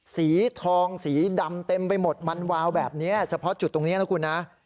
สีทองสีดำเต็มไปหมดมันวาวแบบนี้เฉพาะจุดตรงนี้นะคุณนะ